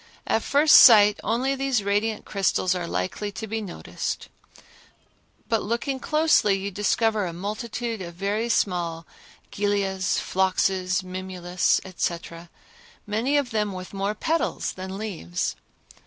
At first sight only these radiant crystals are likely to be noticed, but looking closely you discover a multitude of very small gilias, phloxes, mimulus, etc., many of them with more petals than leaves.